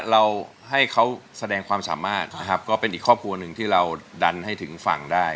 เราให้เขาแสดงความสามารถนะครับก็เป็นอีกครอบครัวหนึ่งที่เราดันให้ถึงฝั่งได้